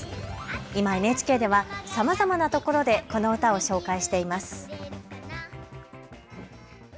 今ＮＨＫではさまざまなところでこの歌を紹介しています。